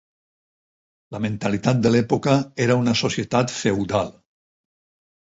La mentalitat de l'època era una societat feudal.